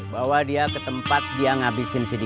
bawa dia ke tempat dia ngehabisin si dik dik